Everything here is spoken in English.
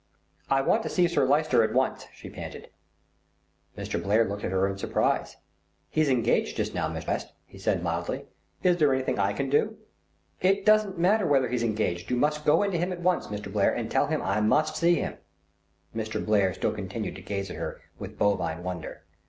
"I want to see Sir Lyster at once," she panted. Mr. Blair looked up at her in surprise. "He's engaged just now, Miss West," he said mildly. "Is there anything I can do?" "It doesn't matter whether he's engaged, you must go into him at once, Mr. Blair, and tell him I must see him." Mr. Blair still continued to gaze at her with bovine wonder.